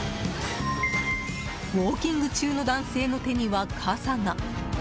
ウォーキング中の男性の手には傘が。